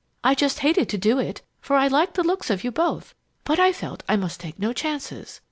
I just hated to do it, for I liked the looks of you both, but I felt I must take no chances.